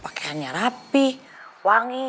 pakaiannya rapih wangi